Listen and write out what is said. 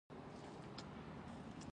رومي قوانینو بنسټونه تر اغېز لاندې راوستل.